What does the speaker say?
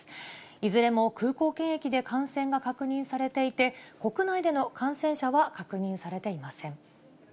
いずれも空港検疫で感染が確認されていて、国内での感染者は確認